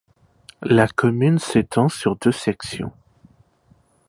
La commune s'étend sur deux sections.